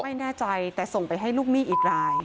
ไม่แน่ใจแต่ส่งไปให้ลูกหนี้อีกราย